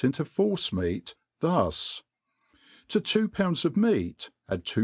into force meat thus :. to two pounds of meat add two.